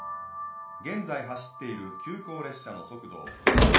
現在走っている急行列車の速度を。